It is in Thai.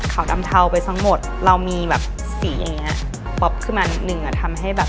ดำเทาไปทั้งหมดเรามีแบบสีอย่างเงี้ยป๊อปขึ้นมานิดนึงอ่ะทำให้แบบ